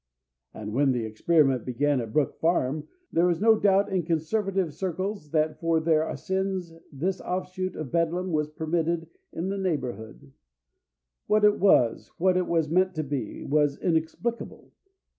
And when the experiment began at Brook Farm there was no doubt in conservative circles that for their sins this offshoot of Bedlam was permitted in the neighborhood. What it was, what it was meant to be, was inexplicable.